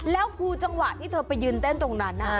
แล้วคือจังหวะที่เธอไปยืนเต้นตรงนั้น